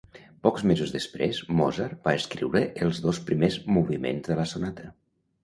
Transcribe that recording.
Pocs mesos després Mozart va escriure els dos primers moviments de la sonata.